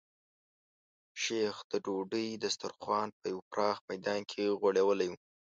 شیخ د ډوډۍ دسترخوان په یو پراخ میدان کې غوړولی و.